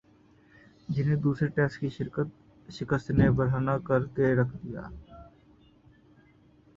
جنہیں دوسرے ٹیسٹ کی شکست نے برہنہ کر کے رکھ دیا